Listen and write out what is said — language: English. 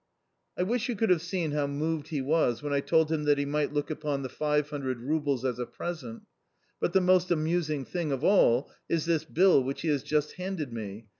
"I wish you could have seen how moved he was when I told him that he might look upon the 500 roubles as a present! But the most amusing thing of all is this bill which he has just handed me.